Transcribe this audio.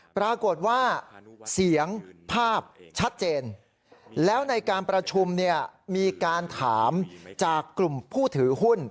ปรากฏว่าเสียงภาพชัดเจนแล้วในการประชุมเนี่ยมีการถามจากกลุ่มผู้ถือหุ้น